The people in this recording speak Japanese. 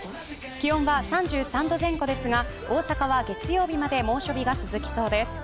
気温は３４度前後ですが大阪は月曜日まで猛暑日が続きそうです。